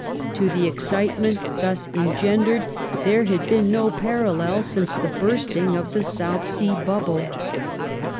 To the excitement thus engendered there had been no parallel since the bursting of the South Sea Bubble.